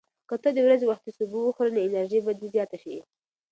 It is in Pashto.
که ته د ورځې وختي سبو وخورې، نو انرژي به دې زیاته شي.